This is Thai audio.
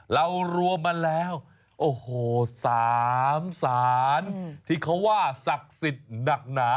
เรารวมมาแล้วโอ้โห๓ศาลที่เขาว่าศักดิ์สิทธิ์หนักหนา